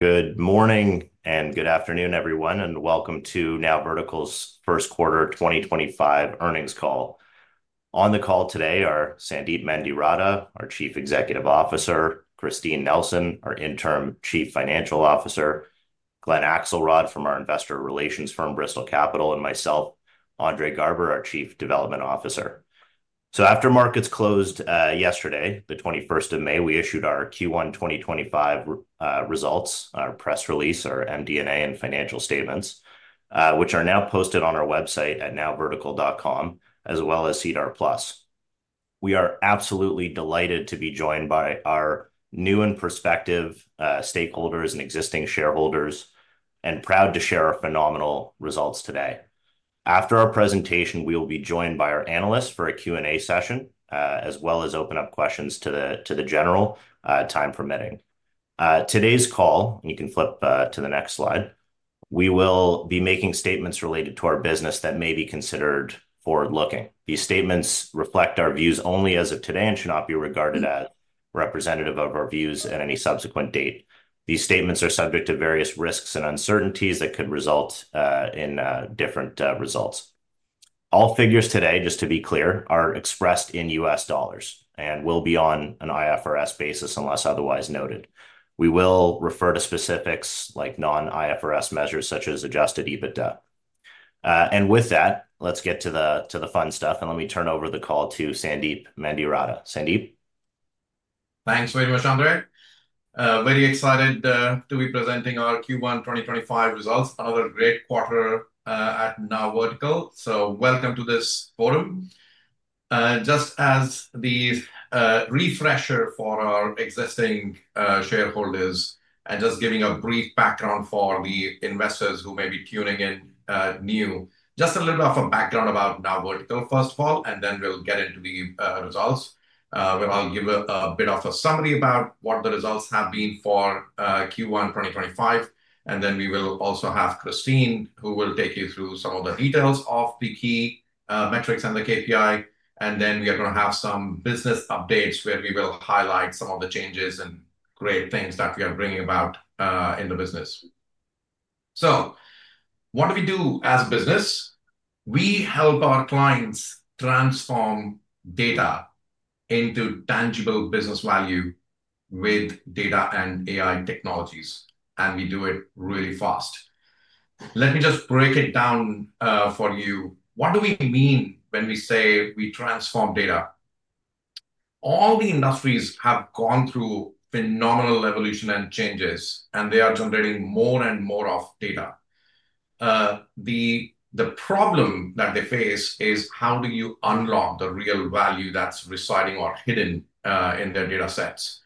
Good morning and good afternoon, everyone, and welcome to NowVertical's First Quarter 2025 Earnings Call. On the call today are Sandeep Mendiratta, our Chief Executive Officer; Christine Nelson, our Interim Chief Financial Officer; Glen Akselrod from our investor relations firm, Bristol Capital; and myself, Andre Garber, our Chief Development Officer. After markets closed yesterday, the 21st of May, we issued our Q1 2025 results, our press release, our MD&A and financial statements, which are now posted on our website at nowvertical.com, as well as SEDAR+. We are absolutely delighted to be joined by our new and prospective stakeholders and existing shareholders, and proud to share our phenomenal results today. After our presentation, we will be joined by our analysts for a Q&A session, as well as open up questions to the general, time permitting. Today's call, and you can flip to the next slide, we will be making statements related to our business that may be considered forward-looking. These statements reflect our views only as of today and should not be regarded as representative of our views at any subsequent date. These statements are subject to various risks and uncertainties that could result in different results. All figures today, just to be clear, are expressed in U.S. dollars and will be on an IFRS basis unless otherwise noted. We will refer to specifics like non-IFRS measures such as adjusted EBITDA. With that, let's get to the fun stuff, and let me turn over the call to Sandeep Mendiratta. Sandeep. Thanks very much, Andre. Very excited to be presenting our Q1 2025 results, another great quarter at NowVertical. Welcome to this forum. Just as a refresher for our existing shareholders and just giving a brief background for the investors who may be tuning in new, just a little bit of a background about NowVertical, first of all, and then we'll get into the results, where I'll give a bit of a summary about what the results have been for Q1 2025. We will also have Christine, who will take you through some of the details of the key metrics and the KPI. We are going to have some business updates where we will highlight some of the changes and great things that we are bringing about in the business. What do we do as a business? We help our clients transform data into tangible business value with data and AI technologies, and we do it really fast. Let me just break it down for you. What do we mean when we say we transform data? All the industries have gone through phenomenal evolution and changes, and they are generating more and more data. The problem that they face is how do you unlock the real value that's residing or hidden in their data sets?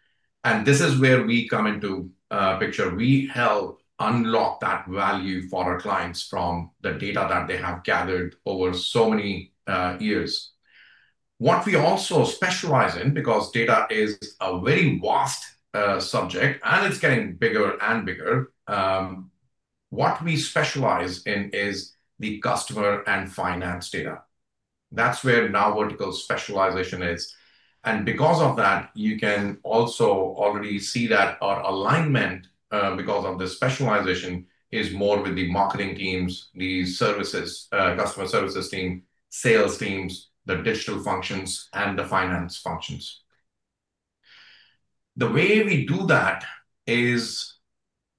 This is where we come into picture. We help unlock that value for our clients from the data that they have gathered over so many years. What we also specialize in, because data is a very vast subject and it's getting bigger and bigger, what we specialize in is the customer and finance data. That's where NowVertical's specialization is. Because of that, you can also already see that our alignment, because of the specialization, is more with the marketing teams, the services, customer services team, sales teams, the digital functions, and the finance functions. The way we do that is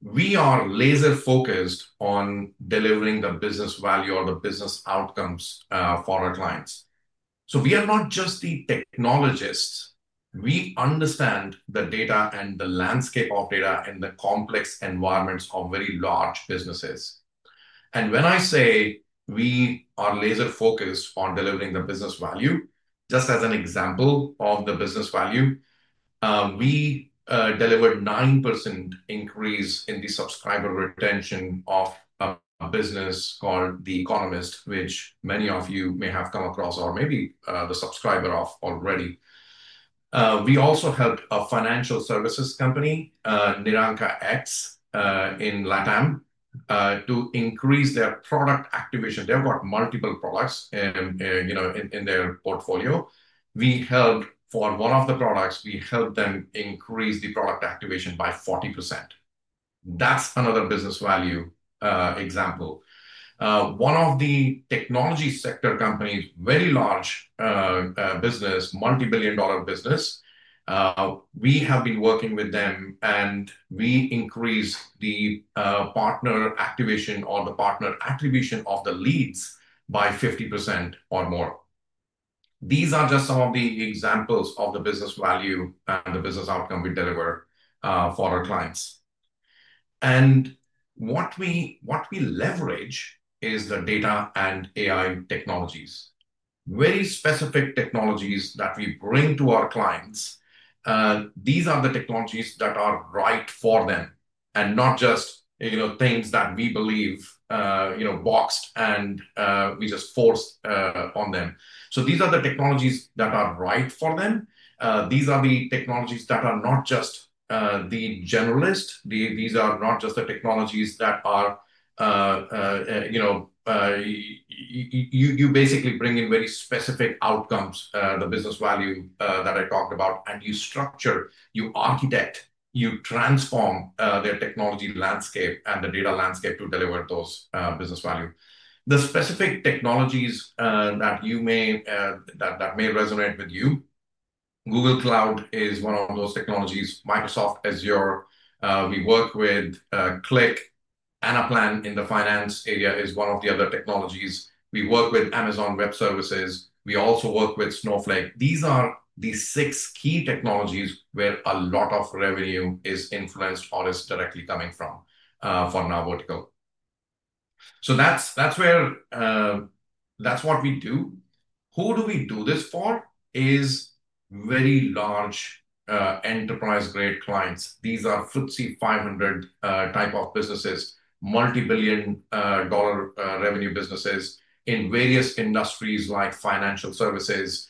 we are laser-focused on delivering the business value or the business outcomes for our clients. We are not just the technologists. We understand the data and the landscape of data and the complex environments of very large businesses. When I say we are laser-focused on delivering the business value, just as an example of the business value, we delivered a 9% increase in the subscriber retention of a business called The Economist, which many of you may have come across or maybe the subscriber of already. We also helped a financial services company, Niranka X in Latin America, to increase their product activation. They've got multiple products in their portfolio. We helped for one of the products, we helped them increase the product activation by 40%. That's another business value example. One of the technology sector companies, very large business, multi-billion dollar business, we have been working with them, and we increased the partner activation or the partner attribution of the leads by 50% or more. These are just some of the examples of the business value and the business outcome we deliver for our clients. What we leverage is the data and AI technologies, very specific technologies that we bring to our clients. These are the technologies that are right for them and not just things that we believe boxed and we just force on them. These are the technologies that are right for them. These are the technologies that are not just the generalist. These are not just the technologies that are you basically bring in very specific outcomes, the business value that I talked about, and you structure, you architect, you transform their technology landscape and the data landscape to deliver those business value. The specific technologies that may resonate with you, Google Cloud is one of those technologies, Microsoft Azure. We work with Qlik, Anaplan in the finance area is one of the other technologies. We work with Amazon Web Services. We also work with Snowflake. These are the six key technologies where a lot of revenue is influenced or is directly coming from for NowVertical. That's what we do. Who do we do this for? It is very large enterprise-grade clients. These are FTSE 500 type of businesses, multi-billion dollar revenue businesses in various industries like financial services,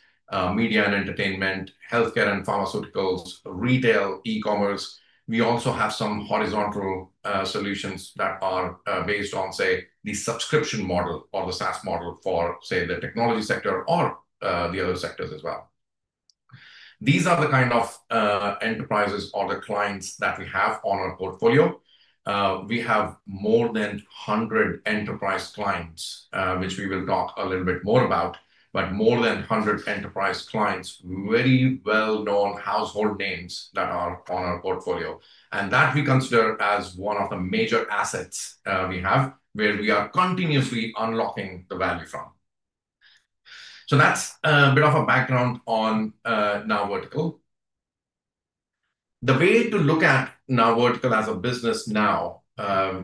media and entertainment, healthcare and pharmaceuticals, retail, e-commerce. We also have some horizontal solutions that are based on, say, the subscription model or the SaaS model for, say, the technology sector or the other sectors as well. These are the kind of enterprises or the clients that we have on our portfolio. We have more than 100 enterprise clients, which we will talk a little bit more about, but more than 100 enterprise clients, very well-known household names that are on our portfolio, and that we consider as one of the major assets we have where we are continuously unlocking the value from. That is a bit of a background on NowVertical. The way to look at NowVertical as a business now,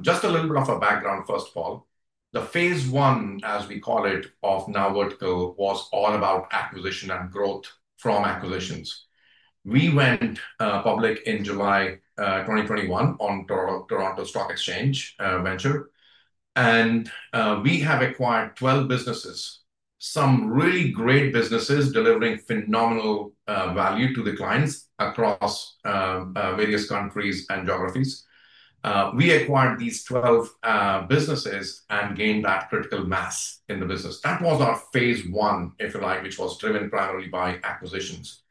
just a little bit of a background, first of all, the phase one, as we call it, of NowVertical was all about acquisition and growth from acquisitions. We went public in July 2021 on Toronto Stock Exchange Venture, and we have acquired 12 businesses, some really great businesses delivering phenomenal value to the clients across various countries and geographies. We acquired these 12 businesses and gained that critical mass in the business. That was our phase one, if you like, which was driven primarily by acquisitions.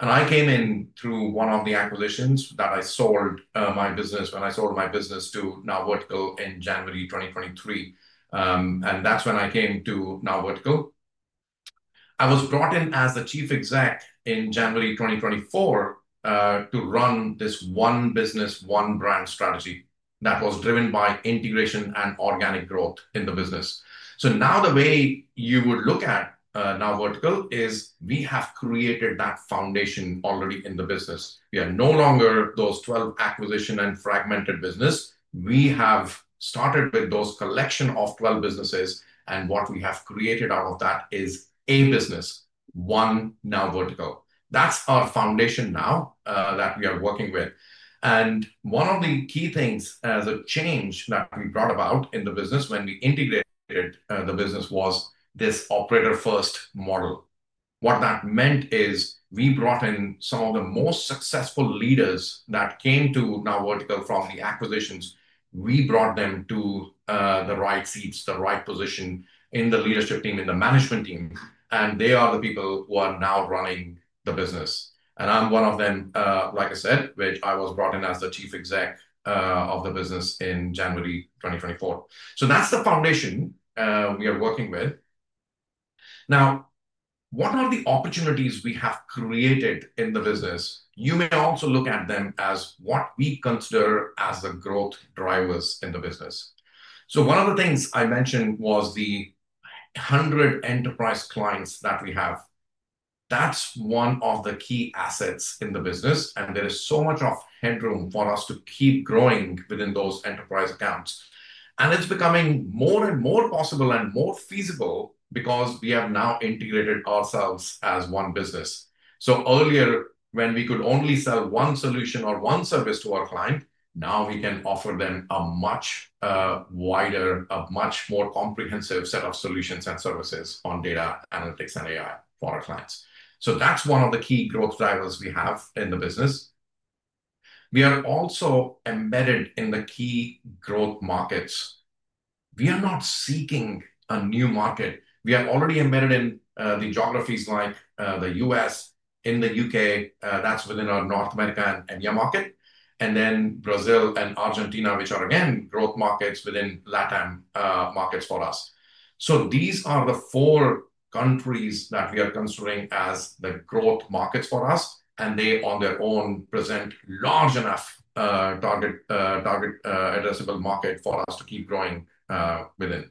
I came in through one of the acquisitions that I sold my business when I sold my business to NowVertical in January 2023. That's when I came to NowVertical. I was brought in as the Chief Executive Officer in January 2024 to run this one business, one brand strategy that was driven by integration and organic growth in the business. Now the way you would look at NowVertical is we have created that foundation already in the business. We are no longer those 12 acquisition and fragmented business. We have started with those collection of 12 businesses, and what we have created out of that is a business, one NowVertical. That is our foundation now that we are working with. One of the key things as a change that we brought about in the business when we integrated the business was this operator-first model. What that meant is we brought in some of the most successful leaders that came to NowVertical from the acquisitions. We brought them to the right seats, the right position in the leadership team, in the management team, and they are the people who are now running the business. I am one of them, like I said, which I was brought in as the Chief Exec of the business in January 2024. That is the foundation we are working with. Now, what are the opportunities we have created in the business? You may also look at them as what we consider as the growth drivers in the business. One of the things I mentioned was the 100 enterprise clients that we have. That's one of the key assets in the business, and there is so much headroom for us to keep growing within those enterprise accounts. It is becoming more and more possible and more feasible because we have now integrated ourselves as one business. Earlier, when we could only sell one solution or one service to our client, now we can offer them a much wider, a much more comprehensive set of solutions and services on data analytics and AI for our clients. That is one of the key growth drivers we have in the business. We are also embedded in the key growth markets. We are not seeking a new market. We are already embedded in the geographies like the U.S., in the U.K., that's within our North America and India market, and then Brazil and Argentina, which are again growth markets within LatAm markets for us. These are the four countries that we are considering as the growth markets for us, and they on their own present large enough target addressable market for us to keep growing within.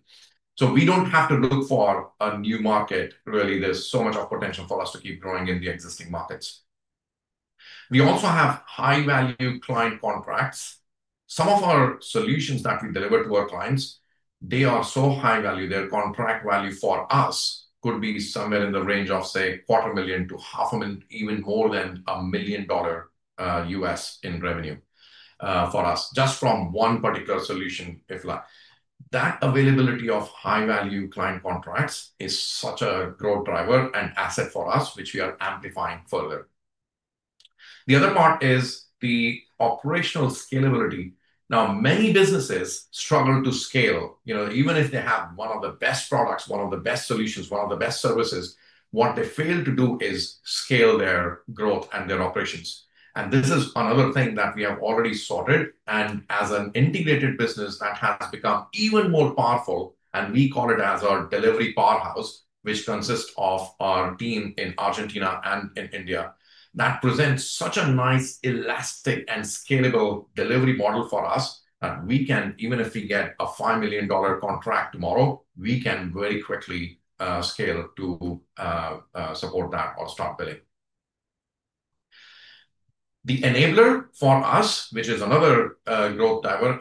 We don't have to look for a new market. Really, there's so much potential for us to keep growing in the existing markets. We also have high-value client contracts. Some of our solutions that we deliver to our clients, they are so high value, their contract value for us could be somewhere in the range of, say, $250,000-$500,000, even more than $1,000,000 U.S. in revenue for us, just from one particular solution, if you like. That availability of high-value client contracts is such a growth driver and asset for us, which we are amplifying further. The other part is the operational scalability. Now, many businesses struggle to scale, even if they have one of the best products, one of the best solutions, one of the best services, what they fail to do is scale their growth and their operations. This is another thing that we have already sorted. As an integrated business, that has become even more powerful, and we call it our delivery powerhouse, which consists of our team in Argentina and in India. That presents such a nice, elastic, and scalable delivery model for us that we can, even if we get a $5 million contract tomorrow, we can very quickly scale to support that or start billing. The enabler for us, which is another growth driver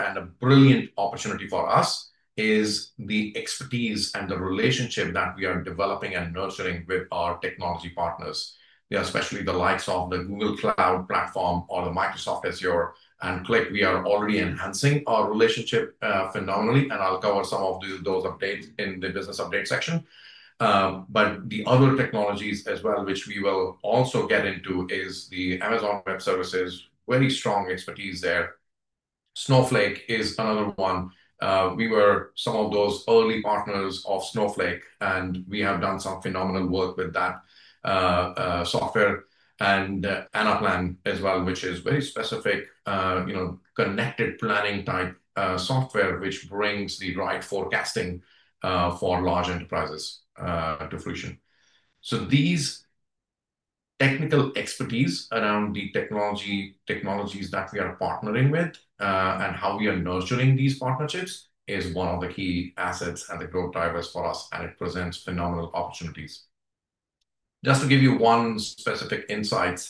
and brilliant opportunity for us, is the expertise and the relationship that we are developing and nurturing with our technology partners, especially the likes of the Google Cloud platform or the Microsoft Azure and Qlik. We are already enhancing our relationship phenomenally, and I'll cover some of those updates in the business update section. The other technologies as well, which we will also get into, is the Amazon Web Services, very strong expertise there. Snowflake is another one. We were some of those early partners of Snowflake, and we have done some phenomenal work with that software and Anaplan as well, which is very specific, connected planning type software, which brings the right forecasting for large enterprises to fruition. This technical expertise around the technologies that we are partnering with and how we are nurturing these partnerships is one of the key assets and the growth drivers for us, and it presents phenomenal opportunities. Just to give you one specific insight,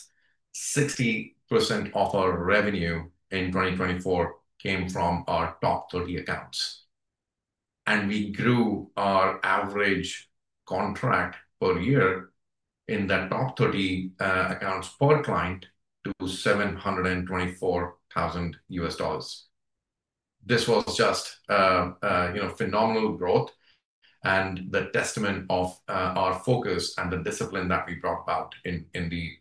60% of our revenue in 2024 came from our top 30 accounts, and we grew our average contract per year in that top 30 accounts per client to $724,000. This was just phenomenal growth and the testament of our focus and the discipline that we brought about in the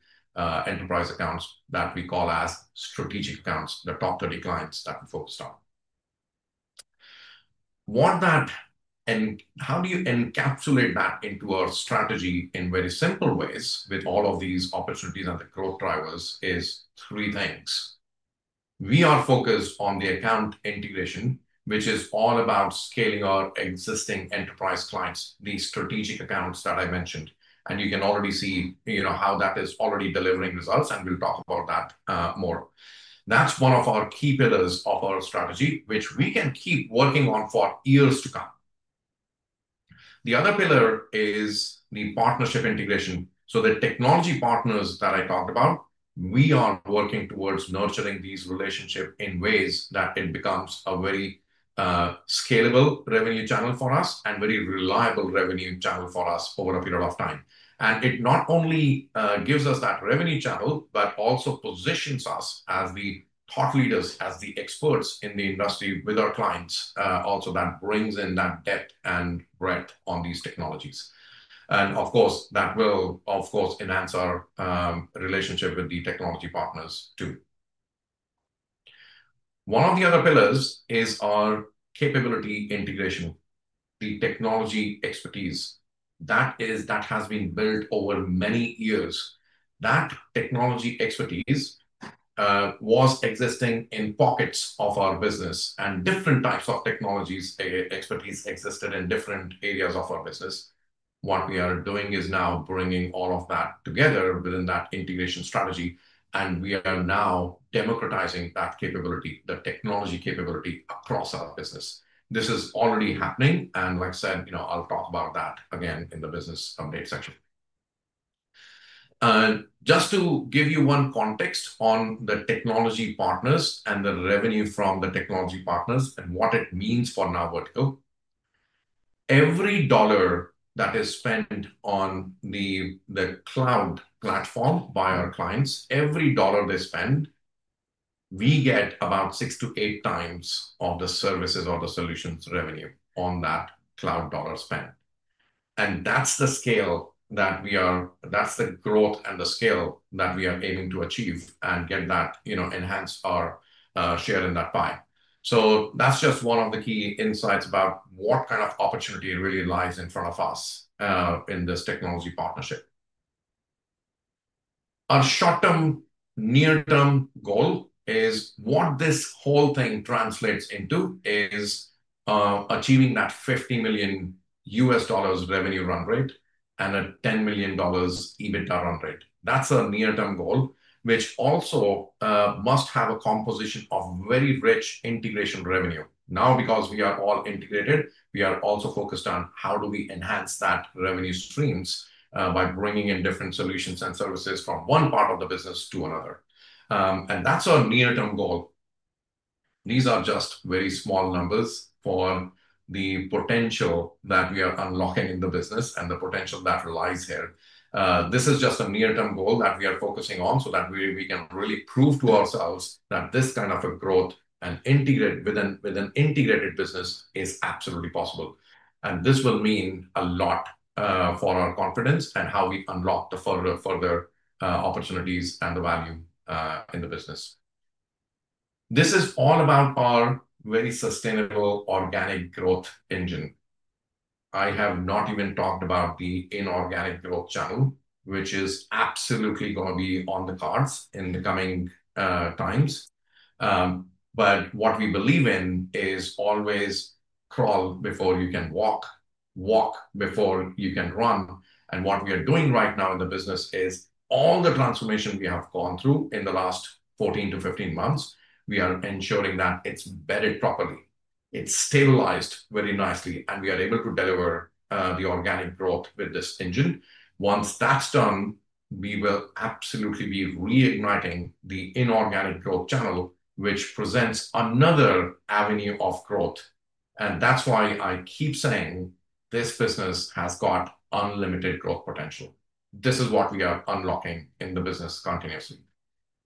enterprise accounts that we call as strategic accounts, the top 30 clients that we focused on. What that and how do you encapsulate that into our strategy in very simple ways with all of these opportunities and the growth drivers is three things. We are focused on the account integration, which is all about scaling our existing enterprise clients, these strategic accounts that I mentioned, and you can already see how that is already delivering results, and we will talk about that more. That is one of our key pillars of our strategy, which we can keep working on for years to come. The other pillar is the partnership integration. The technology partners that I talked about, we are working towards nurturing these relationships in ways that it becomes a very scalable revenue channel for us and very reliable revenue channel for us over a period of time. It not only gives us that revenue channel, but also positions us as the thought leaders, as the experts in the industry with our clients, also that brings in that depth and breadth on these technologies. That will of course enhance our relationship with the technology partners too. One of the other pillars is our capability integration, the technology expertise. That has been built over many years. That technology expertise was existing in pockets of our business and different types of technologies. Expertise existed in different areas of our business. What we are doing is now bringing all of that together within that integration strategy, and we are now democratizing that capability, the technology capability across our business. This is already happening, and like I said, I'll talk about that again in the business update section. Just to give you one context on the technology partners and the revenue from the technology partners and what it means for NowVertical, every dollar that is spent on the cloud platform by our clients, every dollar they spend, we get about six to eight times of the services or the solutions revenue on that cloud dollar spend. That is the scale that we are, that is the growth and the scale that we are aiming to achieve and get that enhance our share in that pie. That is just one of the key insights about what kind of opportunity really lies in front of us in this technology partnership. Our short-term, near-term goal is what this whole thing translates into is achieving that $50 million U.S. dollars revenue run rate and a $10 million EBITDA run rate. That's a near-term goal, which also must have a composition of very rich integration revenue. Now, because we are all integrated, we are also focused on how do we enhance that revenue streams by bringing in different solutions and services from one part of the business to another. That's our near-term goal. These are just very small numbers for the potential that we are unlocking in the business and the potential that lies here. This is just a near-term goal that we are focusing on so that we can really prove to ourselves that this kind of a growth and integrate with an integrated business is absolutely possible. This will mean a lot for our confidence and how we unlock the further opportunities and the value in the business. This is all about our very sustainable organic growth engine. I have not even talked about the inorganic growth channel, which is absolutely going to be on the cards in the coming times. What we believe in is always crawl before you can walk, walk before you can run. What we are doing right now in the business is all the transformation we have gone through in the last 14 to 15 months, we are ensuring that it's vetted properly, it's stabilized very nicely, and we are able to deliver the organic growth with this engine. Once that's done, we will absolutely be reigniting the inorganic growth channel, which presents another avenue of growth. That is why I keep saying this business has got unlimited growth potential. This is what we are unlocking in the business continuously.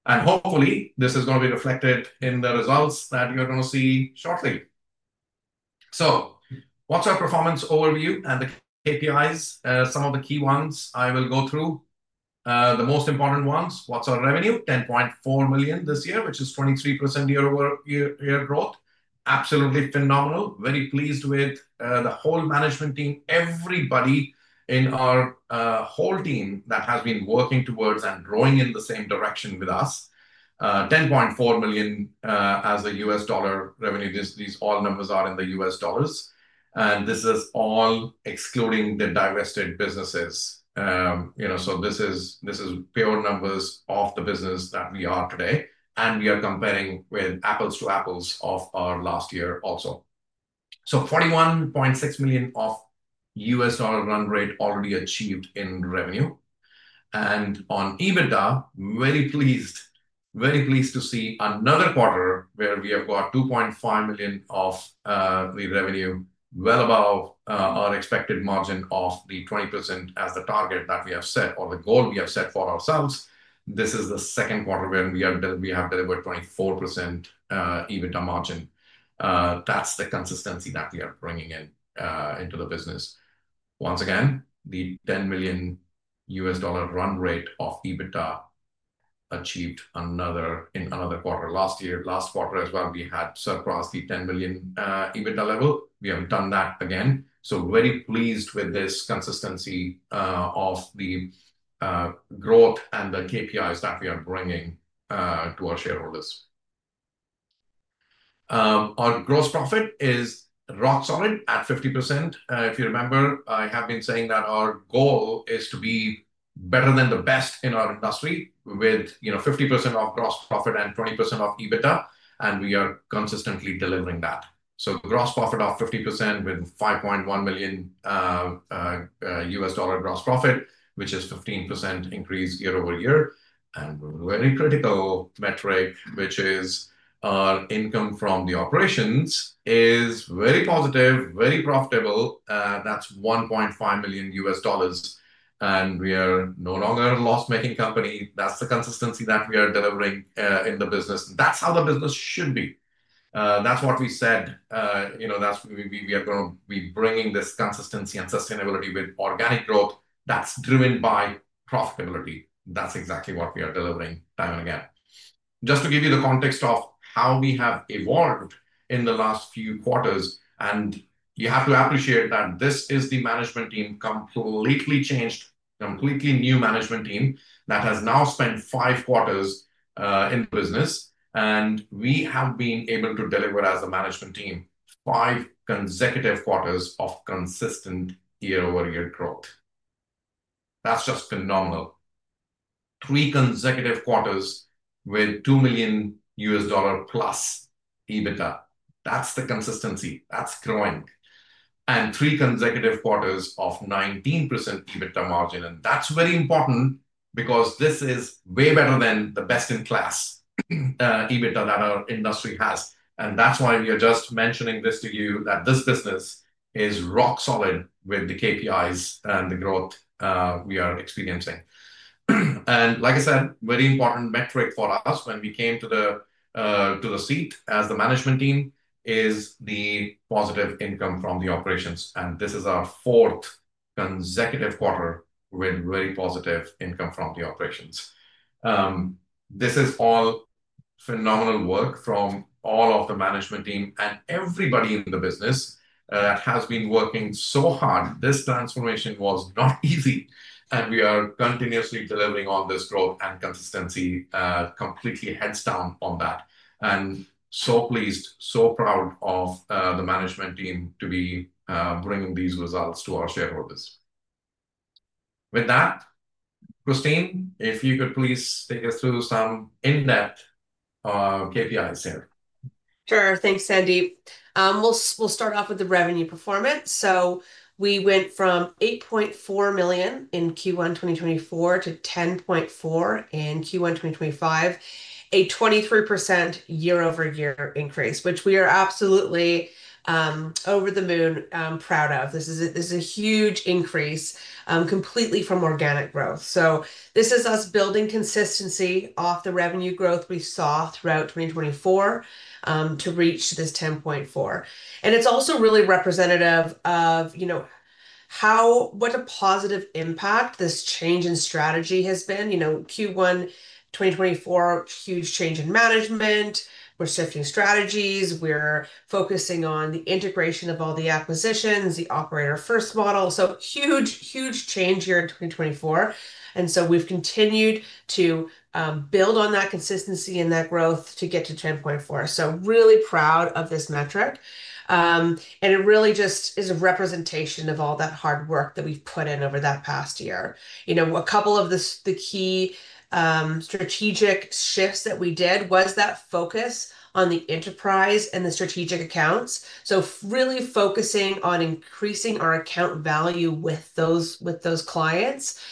Hopefully, this is going to be reflected in the results that you're going to see shortly. So, what's our performance overview and the KPIs? Some of the key ones I will go through, the most important ones. What's our revenue? $10.4 million this year, which is 23% year-over-year growth. Absolutely phenomenal. Very pleased with the whole management team, everybody in our whole team that has been working towards and growing in the same direction with us. $10.4 million as a U.S. dollar revenue. These all numbers are in the U.S. dollars. This is all excluding the divested businesses. This is pure numbers of the business that we are today. We are comparing with apples to apples of our last year also. $41.6 million of U.S. dollar run rate already achieved in revenue. On EBITDA, very pleased, very pleased to see another quarter where we have got $2.5 million of the revenue, well above our expected margin of the 20% as the target that we have set or the goal we have set for ourselves. This is the second quarter when we have delivered 24% EBITDA margin. That is the consistency that we are bringing into the business. Once again, the $10 million U.S. dollar run rate of EBITDA achieved in another quarter last year. Last quarter as well, we had surpassed the $10 million EBITDA level. We have done that again. Very pleased with this consistency of the growth and the KPIs that we are bringing to our shareholders. Our gross profit is rock solid at 50%. If you remember, I have been saying that our goal is to be better than the best in our industry with 50% of gross profit and 20% of EBITDA, and we are consistently delivering that. Gross profit of 50% with $5.1 million U.S. dollar gross profit, which is a 15% increase year over year. A very critical metric, which is our income from the operations, is very positive, very profitable. That is $1.5 million U.S. dollars. We are no longer a loss-making company. That is the consistency that we are delivering in the business. That is how the business should be. That is what we said. We are going to be bringing this consistency and sustainability with organic growth that is driven by profitability. That is exactly what we are delivering time and again. Just to give you the context of how we have evolved in the last few quarters, and you have to appreciate that this is the management team completely changed, completely new management team that has now spent five quarters in the business. We have been able to deliver as a management team five consecutive quarters of consistent year-over-year growth. That's just phenomenal. Three consecutive quarters with $2 million U.S. dollar plus EBITDA. That's the consistency. That's growing. Three consecutive quarters of 19% EBITDA margin. That's very important because this is way better than the best-in-class EBITDA that our industry has. That's why we are just mentioning this to you, that this business is rock solid with the KPIs and the growth we are experiencing. Like I said, a very important metric for us when we came to the seat as the management team is the positive income from the operations. This is our fourth consecutive quarter with very positive income from the operations. This is all phenomenal work from all of the management team and everybody in the business that has been working so hard. This transformation was not easy. We are continuously delivering on this growth and consistency, completely heads down on that. I am so pleased, so proud of the management team to be bringing these results to our shareholders. With that, Christine, if you could please take us through some in-depth KPIs here. Sure. Thanks, Sandeep. We'll start off with the revenue performance. We went from $8.4 million in Q1 2024 to $10.4 million in Q1 2025, a 23% year-over-year increase, which we are absolutely over the moon proud of. This is a huge increase completely from organic growth. This is us building consistency off the revenue growth we saw throughout 2024 to reach this $10.4 million. It is also really representative of what a positive impact this change in strategy has been. Q1 2024, huge change in management. We are shifting strategies. We are focusing on the integration of all the acquisitions, the operator-first model. Huge, huge change here in 2024. We have continued to build on that consistency and that growth to get to $10.4 million. Really proud of this metric. It really just is a representation of all that hard work that we have put in over that past year. A couple of the key strategic shifts that we did was that focus on the enterprise and the strategic accounts. Really focusing on increasing our account value with those clients.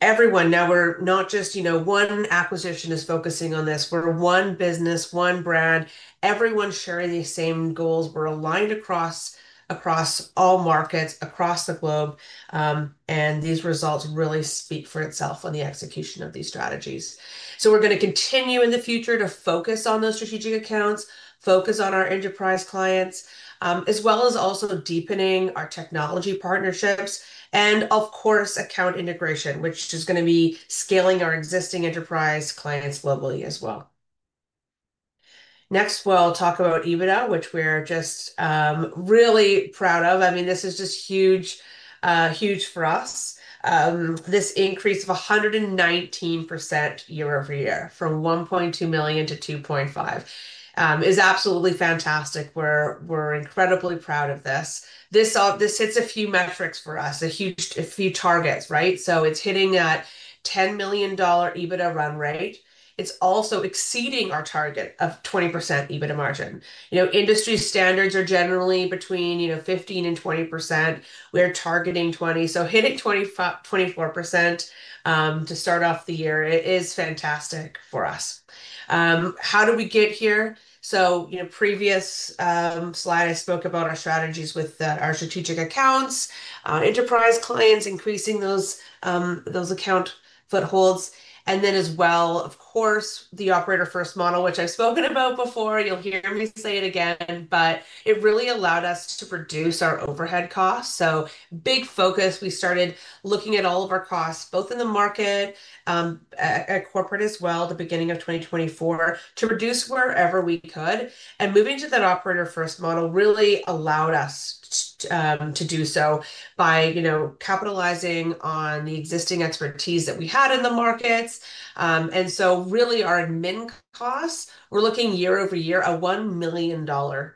Everyone, now we're not just one acquisition is focusing on this. We're one business, one brand. Everyone's sharing the same goals. We're aligned across all markets, across the globe. These results really speak for itself on the execution of these strategies. We're going to continue in the future to focus on those strategic accounts, focus on our enterprise clients, as well as also deepening our technology partnerships. Of course, account integration, which is going to be scaling our existing enterprise clients globally as well. Next, we'll talk about EBITDA, which we're just really proud of. I mean, this is just huge for us. This increase of 119% year-over-year from $1.2 million to $2.5 million is absolutely fantastic. We're incredibly proud of this. This hits a few metrics for us, a few targets, right? It's hitting that $10 million EBITDA run rate. It's also exceeding our target of 20% EBITDA margin. Industry standards are generally between 15%-20%. We're targeting 20%. Hitting 24% to start off the year is fantastic for us. How did we get here? Previous slide, I spoke about our strategies with our strategic accounts, enterprise clients, increasing those account footholds. And then as well, of course, the operator-first model, which I've spoken about before. You'll hear me say it again, but it really allowed us to reduce our overhead costs. Big focus. We started looking at all of our costs, both in the market, at corporate as well, the beginning of 2024, to reduce wherever we could. Moving to that operator-first model really allowed us to do so by capitalizing on the existing expertise that we had in the markets. Really, our admin costs, we're looking year-over-year at a $1 million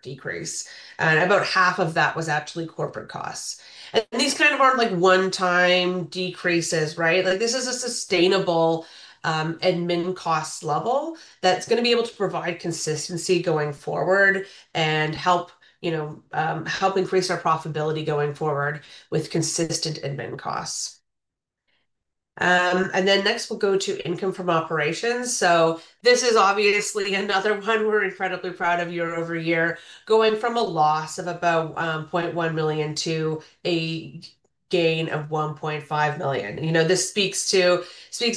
decrease. About half of that was actually corporate costs. These kind of are like one-time decreases, right? This is a sustainable admin cost level that's going to be able to provide consistency going forward and help increase our profitability going forward with consistent admin costs. Next, we'll go to income from operations. This is obviously another one we're incredibly proud of year-over-year, going from a loss of about $0.1 million to a gain of $1.5 million. This speaks to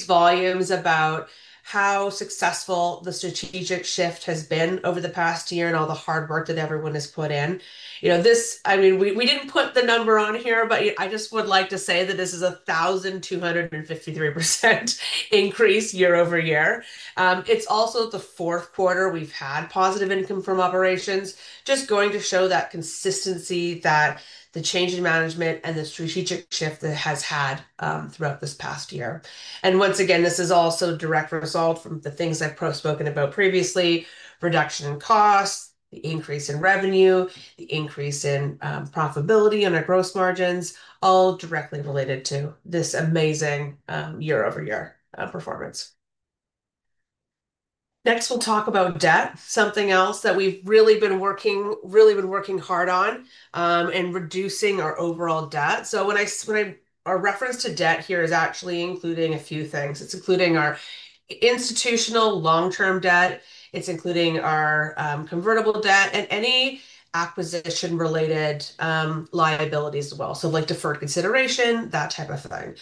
volumes about how successful the strategic shift has been over the past year and all the hard work that everyone has put in. I mean, we did not put the number on here, but I just would like to say that this is a 1,253% increase year-over-year. It is also the fourth quarter we have had positive income from operations, just going to show that consistency, that the change in management and the strategic shift that has had throughout this past year. Once again, this is also a direct result from the things I have spoken about previously, reduction in costs, the increase in revenue, the increase in profitability on our gross margins, all directly related to this amazing year-over-year performance. Next, we will talk about debt, something else that we have really been working, really been working hard on and reducing our overall debt. When I reference debt here, it's actually including a few things. It's including our institutional long-term debt. It's including our convertible debt and any acquisition-related liabilities as well, like deferred consideration, that type of thing.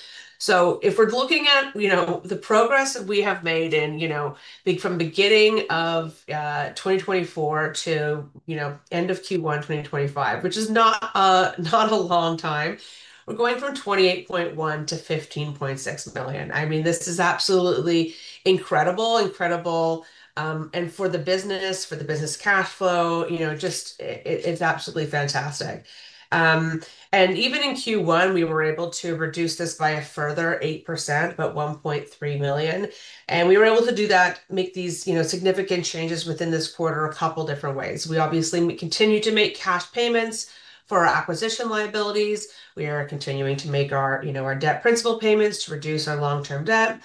If we're looking at the progress that we have made from the beginning of 2024 to end of Q1 2025, which is not a long time, we're going from $28.1 million to $15.6 million. I mean, this is absolutely incredible, incredible. For the business, for the business cash flow, it's absolutely fantastic. Even in Q1, we were able to reduce this by a further 8%, by $1.3 million. We were able to do that, make these significant changes within this quarter a couple of different ways. We obviously continue to make cash payments for our acquisition liabilities. We are continuing to make our debt principal payments to reduce our long-term debt.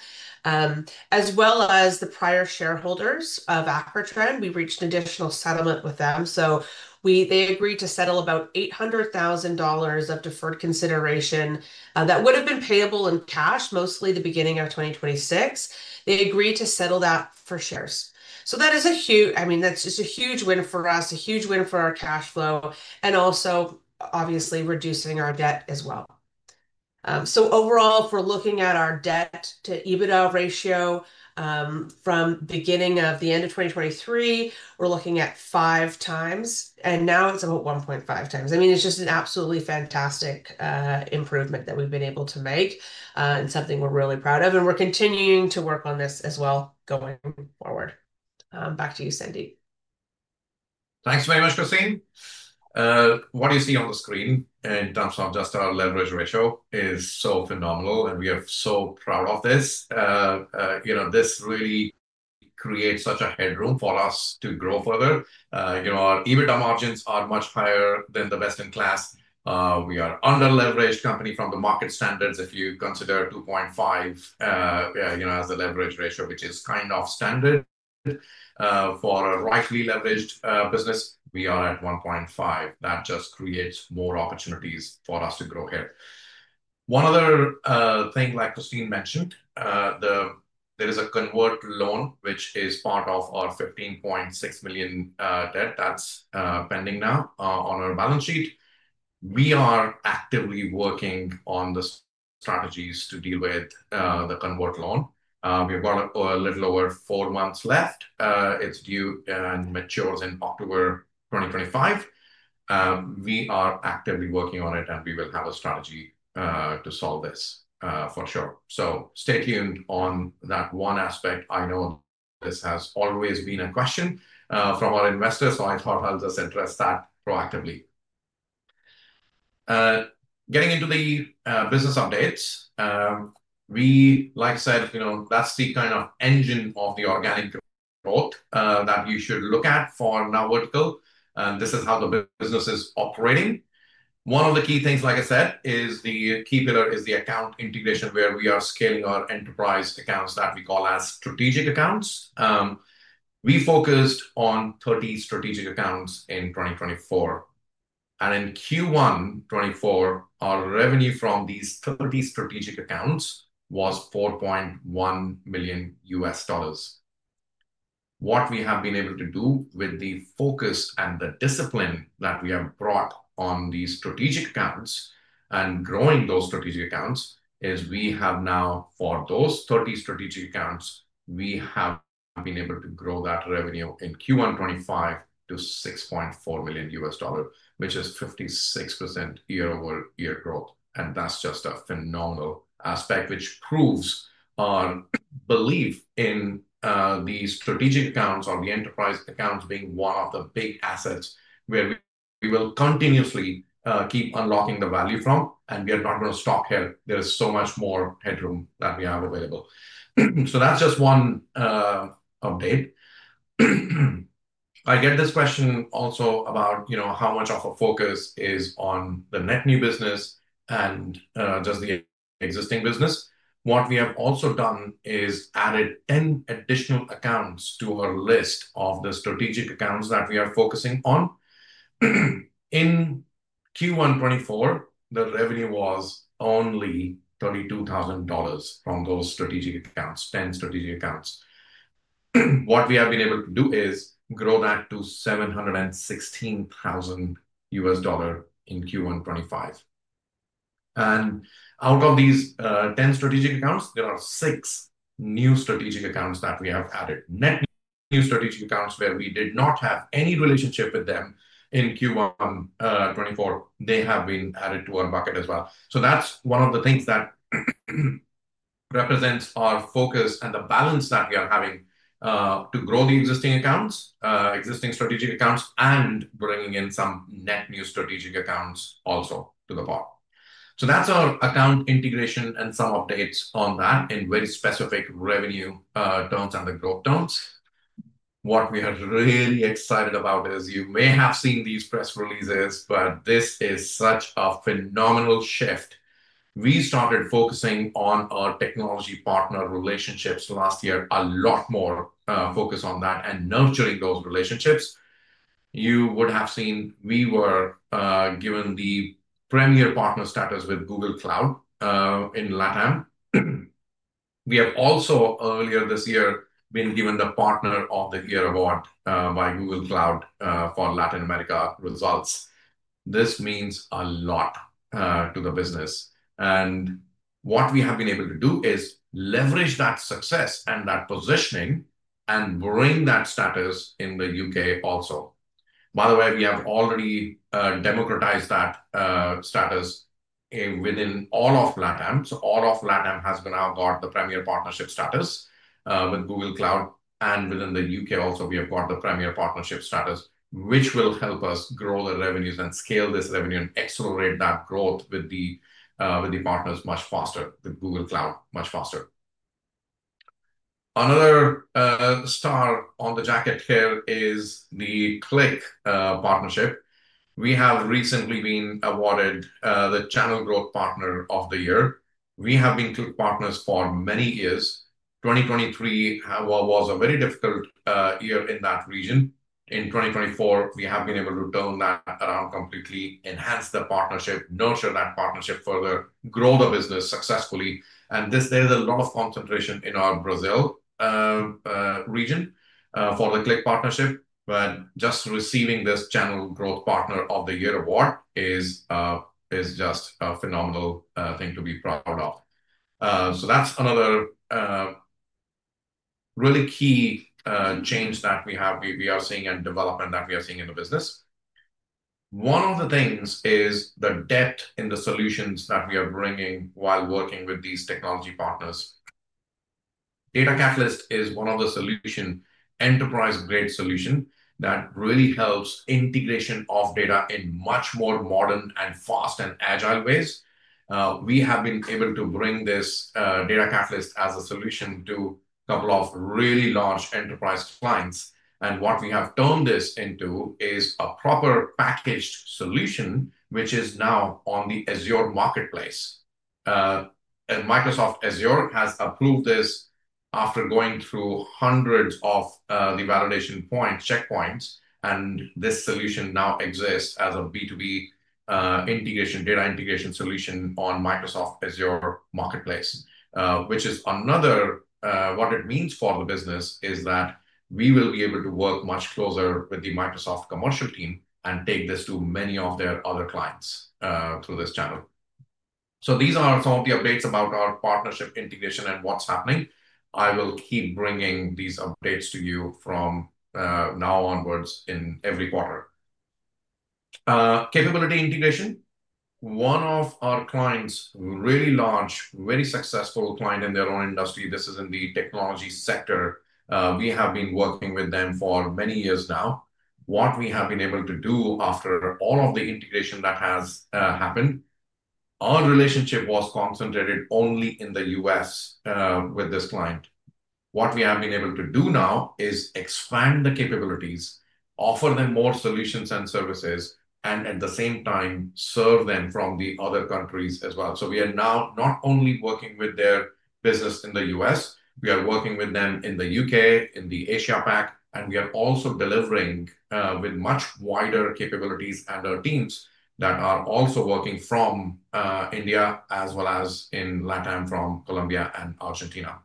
As well as the prior shareholders of Acrotrend, we reached additional settlement with them. They agreed to settle about $800,000 of deferred consideration that would have been payable in cash, mostly the beginning of 2026. They agreed to settle that for shares. That is a huge—I mean, that's just a huge win for us, a huge win for our cash flow, and also obviously reducing our debt as well. Overall, if we're looking at our debt to EBITDA ratio from the beginning to the end of 2023, we're looking at five times, and now it's about 1.5 times. I mean, it's just an absolutely fantastic improvement that we've been able to make and something we're really proud of. We're continuing to work on this as well going forward. Back to you, Sandeep. Thanks very much, Christine. What you see on the screen in terms of just our leverage ratio is so phenomenal, and we are so proud of this. This really creates such a headroom for us to grow further. Our EBITDA margins are much higher than the best-in-class. We are an under-leveraged company from the market standards. If you consider 2.5 as the leverage ratio, which is kind of standard for a rightly leveraged business, we are at 1.5. That just creates more opportunities for us to grow here. One other thing, like Christine mentioned, there is a convert loan, which is part of our $15.6 million debt that's pending now on our balance sheet. We are actively working on the strategies to deal with the convert loan. We have got a little over four months left. It's due and matures in October 2025. We are actively working on it, and we will have a strategy to solve this for sure. Stay tuned on that one aspect. I know this has always been a question from our investors, so I thought I'll just address that proactively. Getting into the business updates, like I said, that's the kind of engine of the organic growth that you should look at for NowVertical. This is how the business is operating. One of the key things, like I said, is the key pillar is the account integration where we are scaling our enterprise accounts that we call as strategic accounts. We focused on 30 strategic accounts in 2024. In Q1 2024, our revenue from these 30 strategic accounts was $4.1 million U.S. dollars. What we have been able to do with the focus and the discipline that we have brought on these strategic accounts and growing those strategic accounts is we have now, for those 30 strategic accounts, we have been able to grow that revenue in Q1 2025 to $6.4 million U.S. dollars, which is 56% year-over-year growth. That is just a phenomenal aspect, which proves our belief in these strategic accounts or the enterprise accounts being one of the big assets where we will continuously keep unlocking the value from. We are not going to stop here. There is so much more headroom that we have available. That is just one update. I get this question also about how much of a focus is on the net new business and just the existing business. What we have also done is added 10 additional accounts to our list of the strategic accounts that we are focusing on. In Q1 2024, the revenue was only $32,000 from those strategic accounts, 10 strategic accounts. What we have been able to do is grow that to $716,000 U.S. dollars in Q1 2025. Out of these 10 strategic accounts, there are six new strategic accounts that we have added, net new strategic accounts where we did not have any relationship with them in Q1 2024. They have been added to our bucket as well. That is one of the things that represents our focus and the balance that we are having to grow the existing accounts, existing strategic accounts, and bringing in some net new strategic accounts also to the pot. That is our account integration and some updates on that in very specific revenue terms and the growth terms. What we are really excited about is you may have seen these press releases, but this is such a phenomenal shift. We started focusing on our technology partner relationships last year, a lot more focus on that and nurturing those relationships. You would have seen we were given the premier partner status with Google Cloud in Latin America. We have also, earlier this year, been given the Partner of the Year award by Google Cloud for Latin America results. This means a lot to the business. What we have been able to do is leverage that success and that positioning and bring that status in the U.K. also. By the way, we have already democratized that status within all of Latin America. All of LatAm has now got the premier partnership status with Google Cloud. Within the U.K. also, we have got the premier partnership status, which will help us grow the revenues and scale this revenue and accelerate that growth with the partners much faster, with Google Cloud much faster. Another star on the jacket here is the Qlik partnership. We have recently been awarded the Channel Growth Partner of the Year. We have been Qlik partners for many years. 2023 was a very difficult year in that region. In 2024, we have been able to turn that around completely, enhance the partnership, nurture that partnership further, grow the business successfully. There is a lot of concentration in our Brazil region for the Qlik partnership. Just receiving this Channel Growth Partner of the Year award is just a phenomenal thing to be proud of. That's another really key change that we are seeing and development that we are seeing in the business. One of the things is the depth in the solutions that we are bringing while working with these technology partners. Data Catalyst is one of the solutions, enterprise-grade solutions that really helps integration of data in much more modern and fast and agile ways. We have been able to bring this Data Catalyst as a solution to a couple of really large enterprise clients. What we have turned this into is a proper packaged solution, which is now on the Azure Marketplace. Microsoft Azure has approved this after going through hundreds of the validation checkpoints. This solution now exists as a B2B integration, data integration solution on Microsoft Azure Marketplace, which is another what it means for the business is that we will be able to work much closer with the Microsoft commercial team and take this to many of their other clients through this channel. These are some of the updates about our partnership integration and what is happening. I will keep bringing these updates to you from now onwards in every quarter. Capability integration. One of our clients, really large, very successful client in their own industry. This is in the technology sector. We have been working with them for many years now. What we have been able to do after all of the integration that has happened, our relationship was concentrated only in the U.S. with this client. What we have been able to do now is expand the capabilities, offer them more solutions and services, and at the same time, serve them from the other countries as well. We are now not only working with their business in the U.S., we are working with them in the U.K., in Asia PAC, and we are also delivering with much wider capabilities and our teams that are also working from India as well as in LatAm from Colombia and Argentina.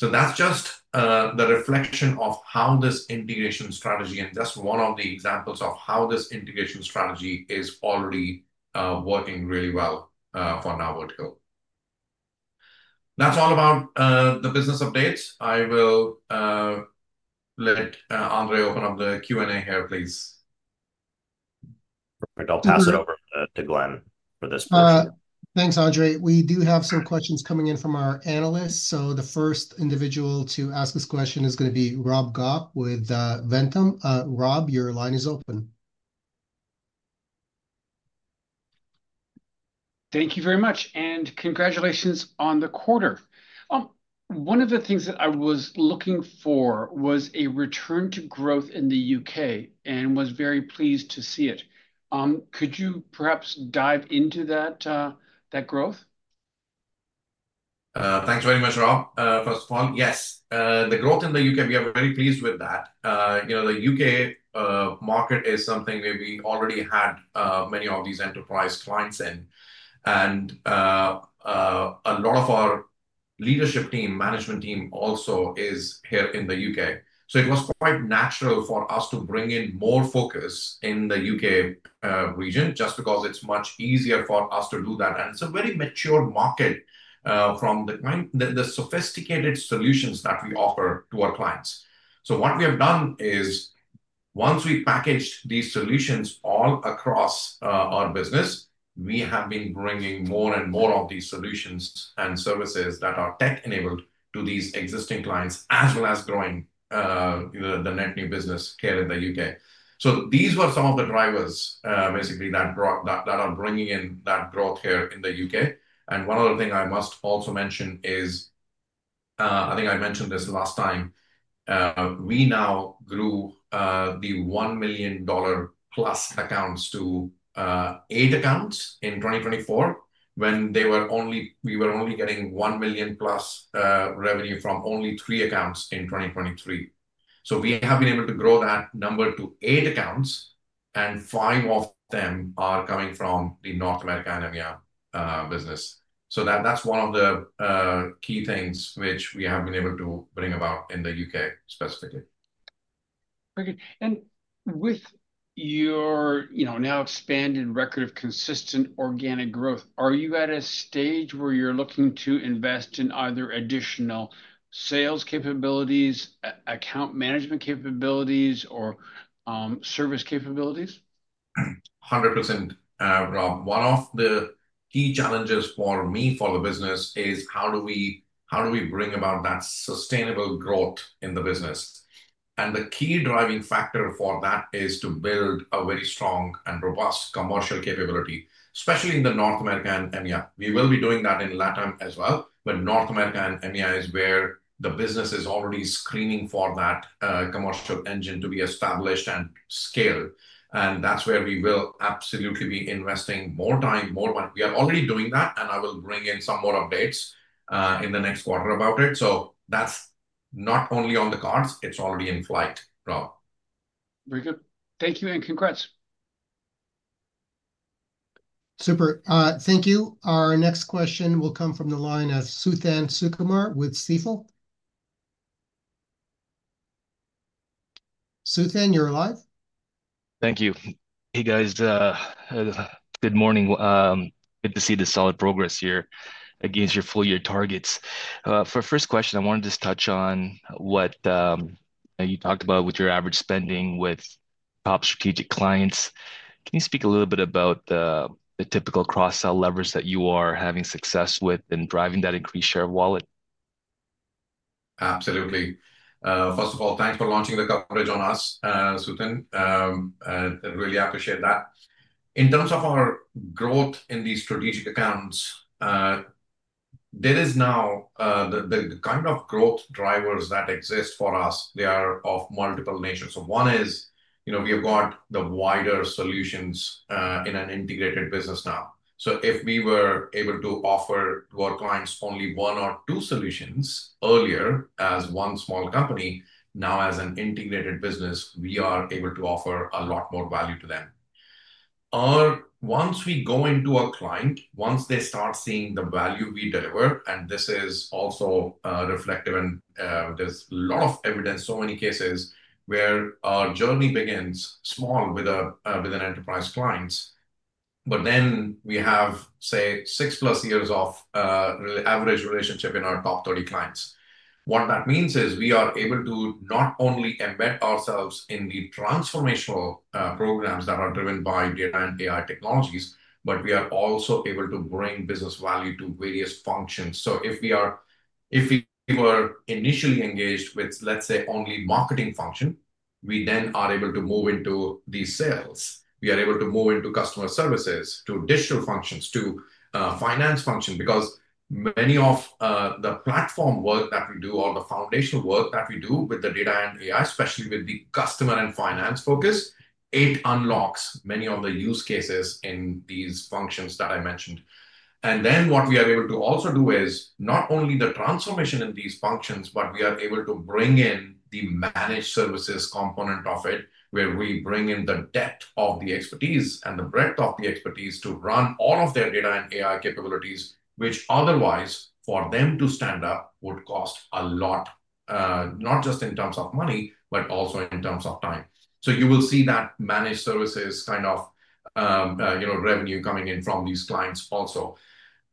That is just the reflection of how this integration strategy and just one of the examples of how this integration strategy is already working really well for NowVertical. That is all about the business updates. I will let Andre open up the Q&A here, please. Perfect. I will pass it over to Glen for this question. Thanks, Andre. We do have some questions coming in from our analysts. The first individual to ask this question is going to be Rob Goff with Ventum. Rob, your line is open. Thank you very much. And congratulations on the quarter. One of the things that I was looking for was a return to growth in the U.K. and was very pleased to see it. Could you perhaps dive into that growth? Thanks very much, Rob. First of all, yes. The growth in the U.K., we are very pleased with that. The U.K. market is something where we already had many of these enterprise clients in. And a lot of our leadership team, management team also is here in the U.K. It was quite natural for us to bring in more focus in the U.K. region just because it is much easier for us to do that. It is a very mature market from the sophisticated solutions that we offer to our clients. What we have done is once we packaged these solutions all across our business, we have been bringing more and more of these solutions and services that are tech-enabled to these existing clients as well as growing the net new business here in the U.K. These were some of the drivers, basically, that are bringing in that growth here in the U.K. One other thing I must also mention is, I think I mentioned this last time, we now grew the $1 million plus accounts to eight accounts in 2024 when we were only getting $1 million plus revenue from only three accounts in 2023. We have been able to grow that number to eight accounts, and five of them are coming from the North America and EMEA business. That's one of the key things which we have been able to bring about in the U.K. specifically. Okay. And with your now expanded record of consistent organic growth, are you at a stage where you're looking to invest in either additional sales capabilities, account management capabilities, or service capabilities? 100%, Rob. One of the key challenges for me for the business is how do we bring about that sustainable growth in the business. The key driving factor for that is to build a very strong and robust commercial capability, especially in North America and EMEA. We will be doing that in LatAm as well, but North America and EMEA is where the business is already screening for that commercial engine to be established and scaled. That's where we will absolutely be investing more time, more money. We are already doing that, and I will bring in some more updates in the next quarter about it. That is not only on the cards. It is already in flight, Rob. Very good. Thank you, and congrats. Super. Thank you. Our next question will come from the line of Suthan Sukumar with Stifel. Suthan, you are live. Thank you. Hey, guys. Good morning. Good to see the solid progress here against your full-year targets. For the first question, I wanted to just touch on what you talked about with your average spending with top strategic clients. Can you speak a little bit about the typical cross-sell levers that you are having success with in driving that increased share of wallet? Absolutely. First of all, thanks for launching the coverage on us, Suthan. I really appreciate that. In terms of our growth in these strategic accounts, there is now the kind of growth drivers that exist for us. They are of multiple nature. One is we have got the wider solutions in an integrated business now. If we were able to offer to our clients only one or two solutions earlier as one small company, now as an integrated business, we are able to offer a lot more value to them. Once we go into a client, once they start seeing the value we deliver, and this is also reflective, and there is a lot of evidence, so many cases where our journey begins small with enterprise clients, but then we have, say, six plus years of average relationship in our top 30 clients. What that means is we are able to not only embed ourselves in the transformational programs that are driven by data and AI technologies, but we are also able to bring business value to various functions. If we were initially engaged with, let's say, only marketing function, we then are able to move into the sales. We are able to move into customer services, to digital functions, to finance functions, because many of the platform work that we do, or the foundational work that we do with the data and AI, especially with the customer and finance focus, it unlocks many of the use cases in these functions that I mentioned. What we are able to also do is not only the transformation in these functions, but we are able to bring in the managed services component of it, where we bring in the depth of the expertise and the breadth of the expertise to run all of their data and AI capabilities, which otherwise, for them to stand up, would cost a lot, not just in terms of money, but also in terms of time. You will see that managed services kind of revenue coming in from these clients also.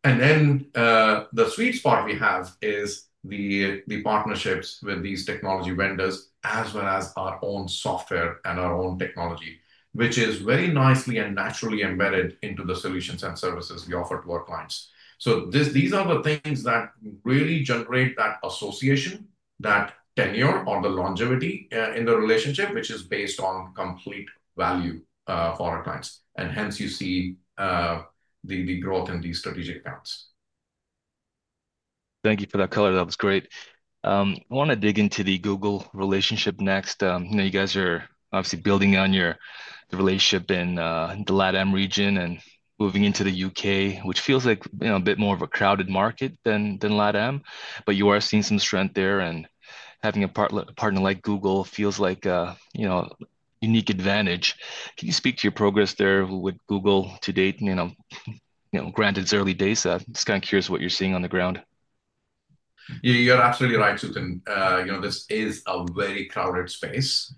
The sweet spot we have is the partnerships with these technology vendors as well as our own software and our own technology, which is very nicely and naturally embedded into the solutions and services we offer to our clients. These are the things that really generate that association, that tenure or the longevity in the relationship, which is based on complete value for our clients. Hence, you see the growth in these strategic accounts. Thank you for that color. That was great. I want to dig into the Google relationship next. You guys are obviously building on your relationship in the LatAm region and moving into the U.K., which feels like a bit more of a crowded market than LatAm. You are seeing some strength there, and having a partner like Google feels like a unique advantage. Can you speak to your progress there with Google to date? Granted, it's early days. I'm just kind of curious what you're seeing on the ground. You're absolutely right, Suthan. This is a very crowded space.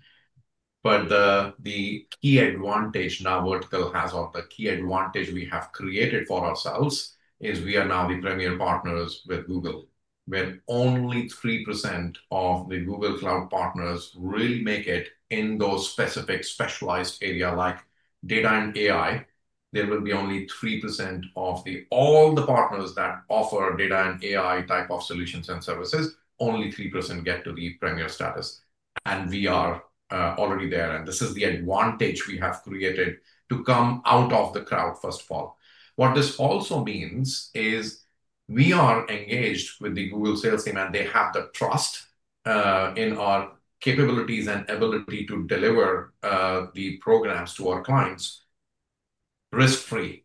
The key advantage NowVertical has or the key advantage we have created for ourselves is we are now the premier partners with Google, where only 3% of the Google Cloud partners really make it in those specific specialized areas like data and AI. There will be only 3% of all the partners that offer data and AI type of solutions and services, only 3% get to the premier status. We are already there. This is the advantage we have created to come out of the crowd, first of all. What this also means is we are engaged with the Google sales team, and they have the trust in our capabilities and ability to deliver the programs to our clients risk-free.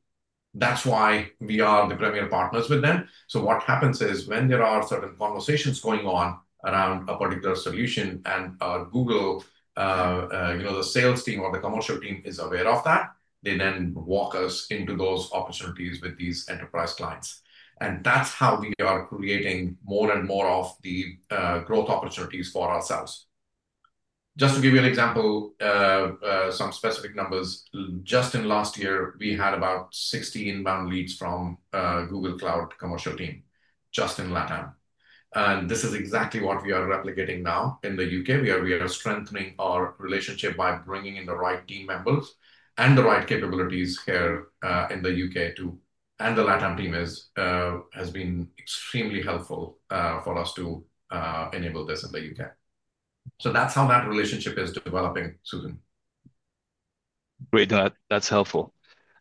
That is why we are the premier partners with them. What happens is when there are certain conversations going on around a particular solution and Google, the sales team or the commercial team is aware of that, they then walk us into those opportunities with these enterprise clients. That is how we are creating more and more of the growth opportunities for ourselves. Just to give you an example, some specific numbers, just in last year, we had about 16 bound leads from Google Cloud commercial team just in Latin America. This is exactly what we are replicating now in the U.K., where we are strengthening our relationship by bringing in the right team members and the right capabilities here in the U.K. too. The Latin America team has been extremely helpful for us to enable this in the U.K. That is how that relationship is developing, Suthan. Great. That is helpful.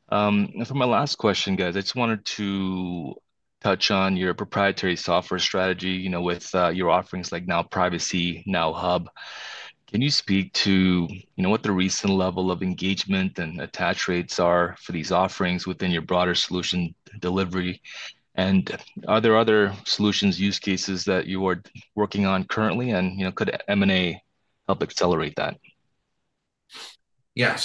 For my last question, guys, I just wanted to touch on your proprietary software strategy with your offerings like Now Privacy, NowHub. Can you speak to what the recent level of engagement and attach rates are for these offerings within your broader solution delivery? Are there other solutions, use cases that you are working on currently, and could M&A help accelerate that? Yeah.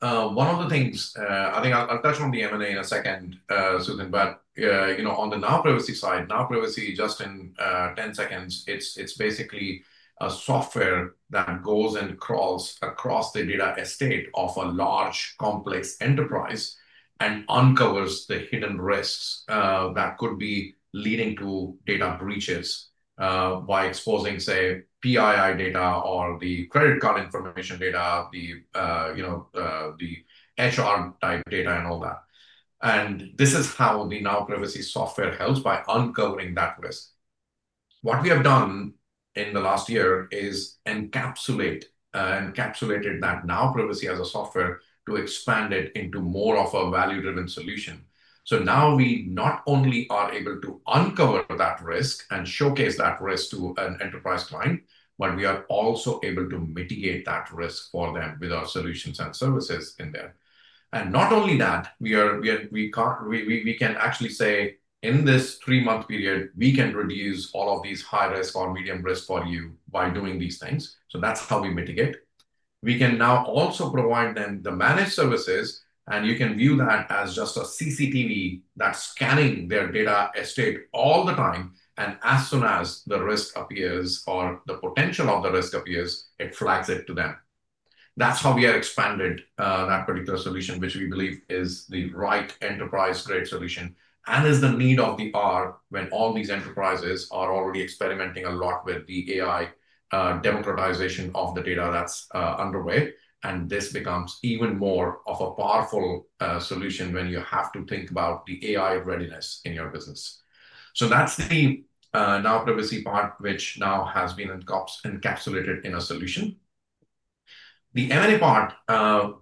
One of the things, I think, I'll touch on the M&A in a second, Suthan, but on the Now Privacy side, Now Privacy, just in 10 seconds, it's basically a software that goes and crawls across the data estate of a large complex enterprise and uncovers the hidden risks that could be leading to data breaches by exposing, say, PII data or the credit card information data, the HR-type data, and all that. This is how the Now Privacy software helps by uncovering that risk. What we have done in the last year is encapsulated that Now Privacy as a software to expand it into more of a value-driven solution. Now we not only are able to uncover that risk and showcase that risk to an enterprise client, but we are also able to mitigate that risk for them with our solutions and services in there. Not only that, we can actually say, in this three-month period, we can reduce all of these high-risk or medium-risk for you by doing these things. That is how we mitigate. We can now also provide them the managed services, and you can view that as just a CCTV that is scanning their data estate all the time. As soon as the risk appears or the potential of the risk appears, it flags it to them. That is how we have expanded that particular solution, which we believe is the right enterprise-grade solution and is the need of the hour when all these enterprises are already experimenting a lot with the AI democratization of the data that is underway. This becomes even more of a powerful solution when you have to think about the AI readiness in your business. That is the Now Privacy part, which now has been encapsulated in a solution. The M&A part,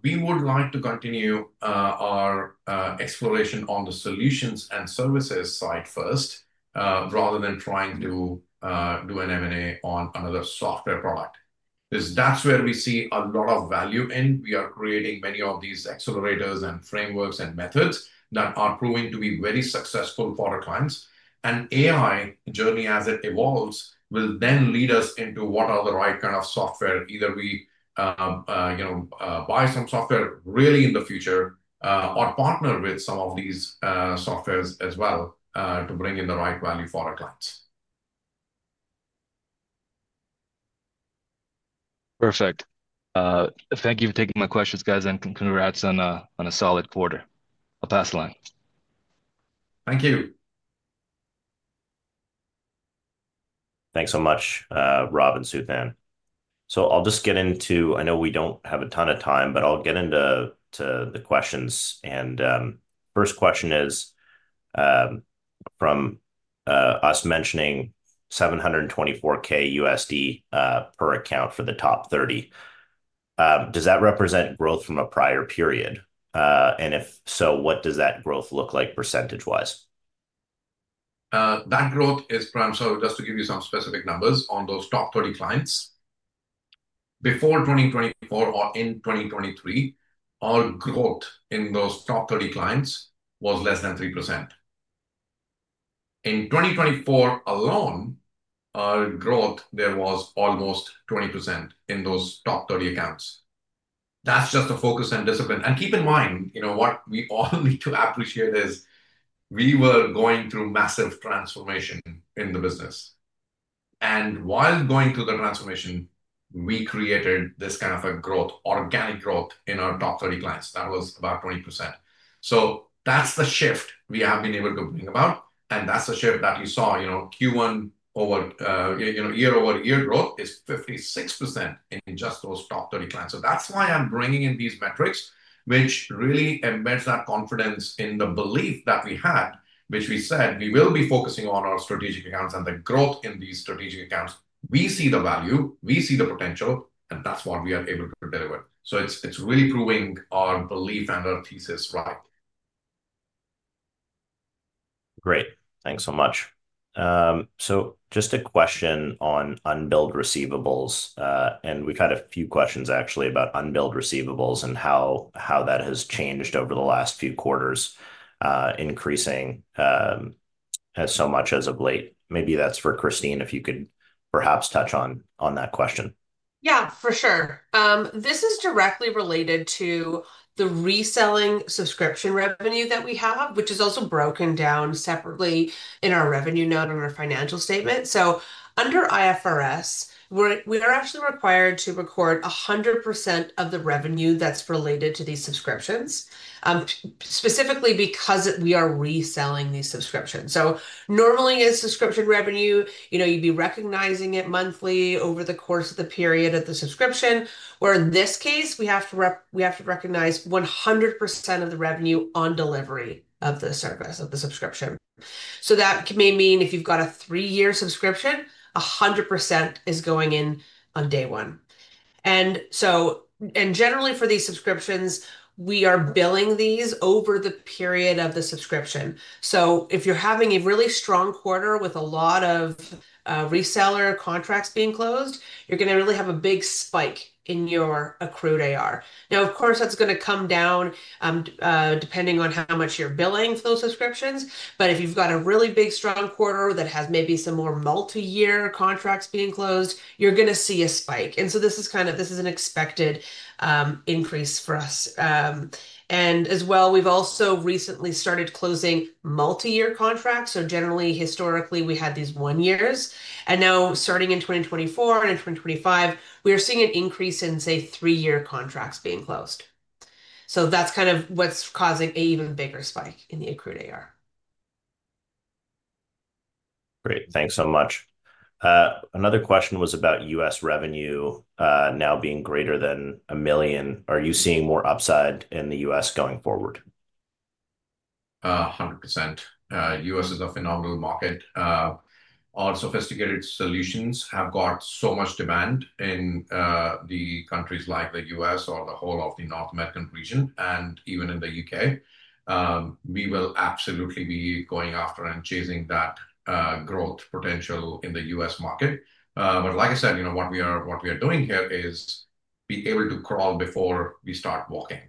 we would like to continue our exploration on the solutions and services side first rather than trying to do an M&A on another software product. That is where we see a lot of value in. We are creating many of these accelerators and frameworks and methods that are proving to be very successful for our clients. An AI journey, as it evolves, will then lead us into what are the right kind of software. Either we buy some software really in the future or partner with some of these softwares as well to bring in the right value for our clients. Perfect. Thank you for taking my questions, guys, and congrats on a solid quarter. I'll pass the line. Thank you. Thanks so much, Rob and Suthan. I'll just get into I know we don't have a ton of time, but I'll get into the questions. First question is from us mentioning $724,000 USD per account for the top 30. Does that represent growth from a prior period? If so, what does that growth look like percentage-wise? That growth is from, so just to give you some specific numbers on those top 30 clients, before 2024 or in 2023, our growth in those top 30 clients was less than 3%. In 2024 alone, our growth there was almost 20% in those top 30 accounts. That's just a focus and discipline. Keep in mind, what we all need to appreciate is we were going through massive transformation in the business. While going through the transformation, we created this kind of a growth, organic growth in our top 30 clients. That was about 20%. That's the shift we have been able to bring about. That's the shift that you saw. Q1 over year-over-year growth is 56% in just those top 30 clients. That's why I'm bringing in these metrics, which really embeds that confidence in the belief that we had, which we said we will be focusing on our strategic accounts and the growth in these strategic accounts. We see the value. We see the potential. And that's what we are able to deliver. It's really proving our belief and our thesis right. Great. Thanks so much. Just a question on unbilled receivables. We've had a few questions, actually, about unbilled receivables and how that has changed over the last few quarters, increasing as so much as of late. Maybe that's for Christine, if you could perhaps touch on that question. Yeah, for sure. This is directly related to the reselling subscription revenue that we have, which is also broken down separately in our revenue note on our financial statement. Under IFRS, we are actually required to record 100% of the revenue that's related to these subscriptions, specifically because we are reselling these subscriptions. Normally, in subscription revenue, you'd be recognizing it monthly over the course of the period of the subscription. Where in this case, we have to recognize 100% of the revenue on delivery of the service of the subscription. That may mean if you've got a three-year subscription, 100% is going in on day one. Generally, for these subscriptions, we are billing these over the period of the subscription. If you're having a really strong quarter with a lot of reseller contracts being closed, you're going to really have a big spike in your accrued AR. Of course, that's going to come down depending on how much you're billing for those subscriptions. If you have got a really big, strong quarter that has maybe some more multi-year contracts being closed, you are going to see a spike. This is an expected increase for us. We have also recently started closing multi-year contracts. Generally, historically, we had these one years. Now, starting in 2024 and in 2025, we are seeing an increase in, say, three-year contracts being closed. That is what is causing an even bigger spike in the accrued AR. Great. Thanks so much. Another question was about U.S. revenue now being greater than $1 million. Are you seeing more upside in the U.S. going forward? 100%. U.S. is a phenomenal market. Our sophisticated solutions have got so much demand in countries like the U.S. or the whole of the North American region, and even in the U.K. We will absolutely be going after and chasing that growth potential in the U.S. market. Like I said, what we are doing here is be able to crawl before we start walking.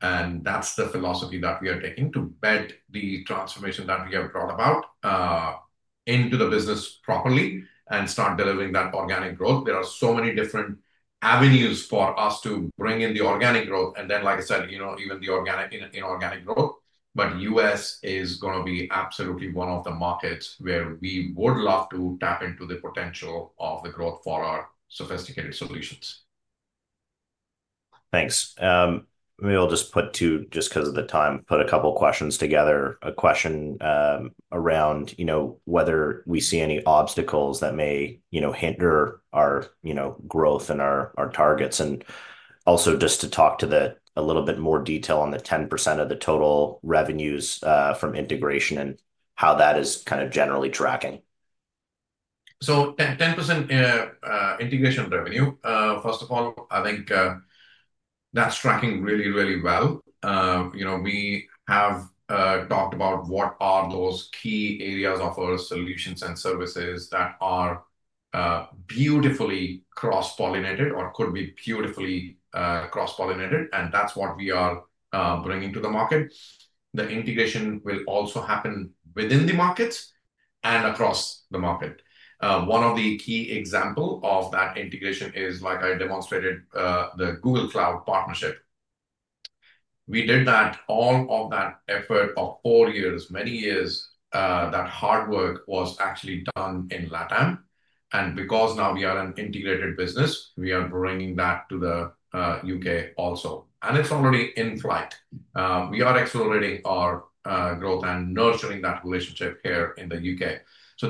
That is the philosophy that we are taking to bed the transformation that we have brought about into the business properly and start delivering that organic growth. There are so many different avenues for us to bring in the organic growth. Like I said, even the organic inorganic growth. U.S. is going to be absolutely one of the markets where we would love to tap into the potential of the growth for our sophisticated solutions. Thanks. We will just put two, just because of the time, put a couple of questions together. A question around whether we see any obstacles that may hinder our growth and our targets. Also, just to talk to that a little bit more detail on the 10% of the total revenues from integration and how that is kind of generally tracking. So, 10% integration revenue, first of all, I think that's tracking really, really well. We have talked about what are those key areas of our solutions and services that are beautifully cross-pollinated or could be beautifully cross-pollinated. That's what we are bringing to the market. The integration will also happen within the markets and across the market. One of the key examples of that integration is, like I demonstrated, the Google Cloud partnership. We did that, all of that effort of four years, many years, that hard work was actually done in Latin America. Because now we are an integrated business, we are bringing that to the U.K. also. It's already in flight. We are accelerating our growth and nurturing that relationship here in the U.K.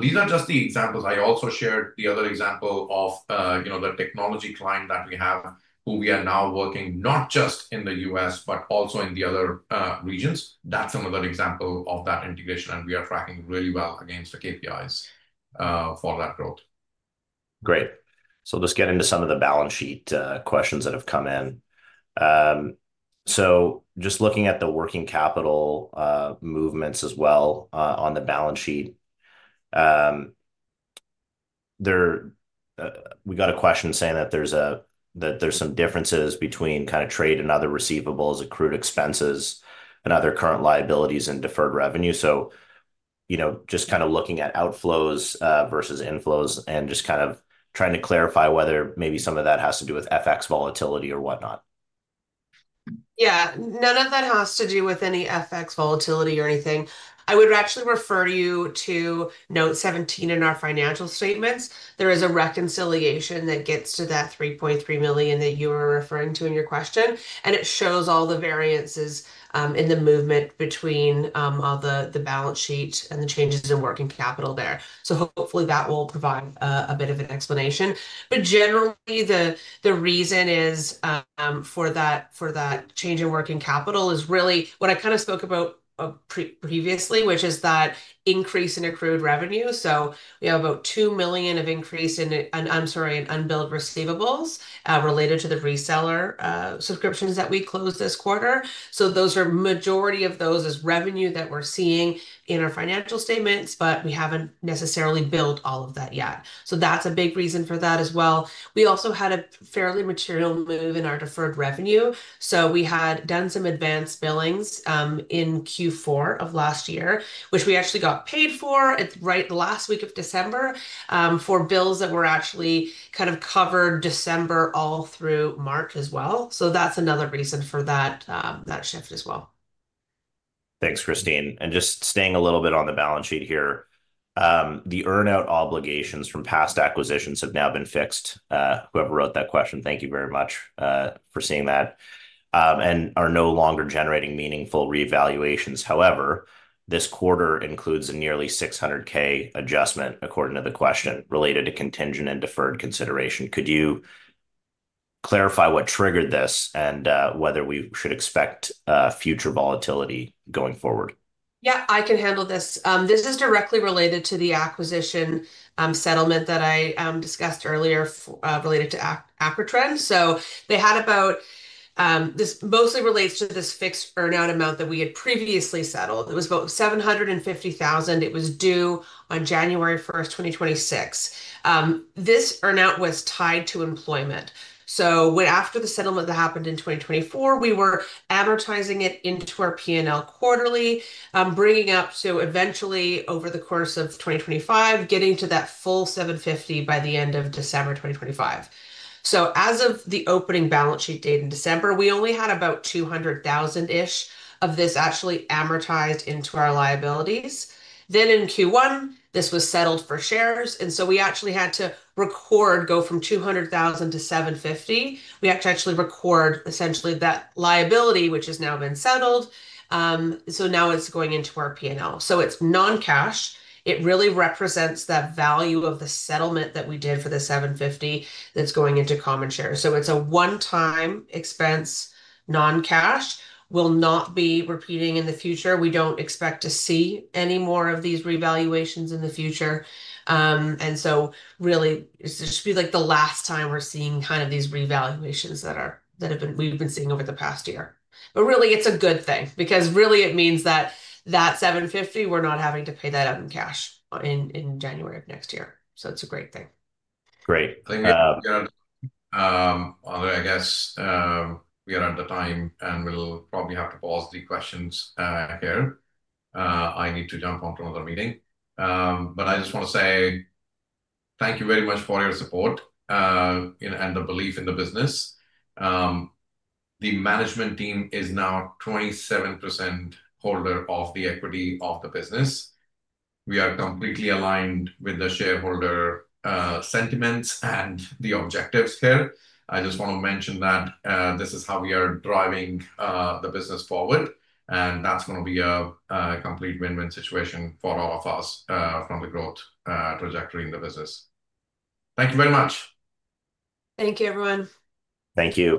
These are just the examples. I also shared the other example of the technology client that we have, who we are now working not just in the U.S., but also in the other regions. That's another example of that integration. We are tracking really well against the KPIs for that growth. Great. Let's get into some of the balance sheet questions that have come in. Just looking at the working capital movements as well on the balance sheet, we got a question saying that there's some differences between kind of trade and other receivables, accrued expenses, and other current liabilities and deferred revenue. Just kind of looking at outflows versus inflows and just kind of trying to clarify whether maybe some of that has to do with FX volatility or whatnot. Yeah. None of that has to do with any FX volatility or anything. I would actually refer you to note 17 in our financial statements. There is a reconciliation that gets to that $3.3 million that you were referring to in your question. It shows all the variances in the movement between the balance sheet and the changes in working capital there. Hopefully, that will provide a bit of an explanation. Generally, the reason for that change in working capital is really what I kind of spoke about previously, which is that increase in accrued revenue. We have about $2 million of increase in, I'm sorry, in unbilled receivables related to the reseller subscriptions that we closed this quarter. The majority of those is revenue that we're seeing in our financial statements, but we haven't necessarily billed all of that yet. That's a big reason for that as well. We also had a fairly material move in our deferred revenue. We had done some advanced billings in Q4 of last year, which we actually got paid for right the last week of December for bills that actually kind of covered December all through March as well. That's another reason for that shift as well. Thanks, Christine. Just staying a little bit on the balance sheet here, the earn-out obligations from past acquisitions have now been fixed. Whoever wrote that question, thank you very much for seeing that. They are no longer generating meaningful reevaluations. However, this quarter includes a nearly $600,000 adjustment, according to the question, related to contingent and deferred consideration. Could you clarify what triggered this and whether we should expect future volatility going forward? Yeah, I can handle this. This is directly related to the acquisition settlement that I discussed earlier related to Acrotrend. They had about, this mostly relates to this fixed earn-out amount that we had previously settled. It was about $750,000. It was due on January 1st, 2026. This earn-out was tied to employment. After the settlement that happened in 2024, we were amortizing it into our P&L quarterly, bringing up to eventually, over the course of 2025, getting to that full $750,000 by the end of December 2025. As of the opening balance sheet date in December, we only had about $200,000-ish of this actually amortized into our liabilities. In Q1, this was settled for shares. We actually had to record, go from $200,000 to $750,000. We had to actually record essentially that liability, which has now been settled. Now it's going into our P&L. It's non-cash. It really represents the value of the settlement that we did for the $750,000 that's going into common shares. It's a one-time expense, non-cash. Will not be repeating in the future. We don't expect to see any more of these revaluations in the future. Really, it should be like the last time we're seeing kind of these revaluations that we've been seeing over the past year. Really, it's a good thing becauseit means that that $750,000, we're not having to pay that out in cash in January of next year. It's a great thing. Great. Thank you. Although, I guess we are at the time, and we'll probably have to pause the questions here. I need to jump on to another meeting. I just want to say thank you very much for your support and the belief in the business. The management team is now 27% holder of the equity of the business. We are completely aligned with the shareholder sentiments and the objectives here. I just want to mention that this is how we are driving the business forward. That is going to be a complete win-win situation for all of us from the growth trajectory in the business. Thank you very much. Thank you, everyone. Thank you.